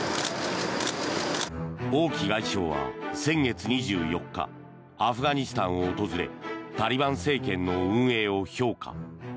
王毅外相は、先月２４日アフガニスタンを訪れタリバン政権の運営を評価。